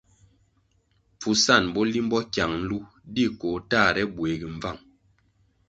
Pfusan bo limbo kyang nlu di koh tahre buegi mbvang.